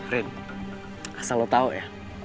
rin asal lo tau ya